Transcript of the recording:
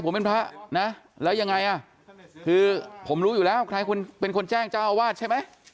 ผมเป็นพระนะแล้วยังไงอ่ะคือผมรู้อยู่แล้วใครคุณเป็นคนแจ้งเจ้าอาวาสใช่ไหม